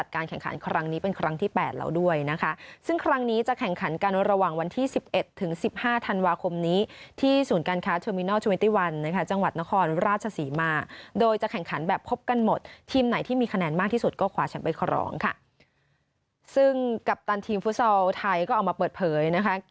กัปตันทีมฟุตซอลไทยก็เอามาเปิดเผยนะคะ